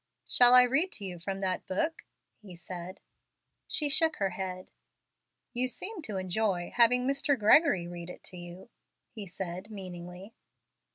"Shall I read to you from that book?" he said. She shook her head. "You seemed to enjoy having Mr. Gregory read it to you," he said, meaningly.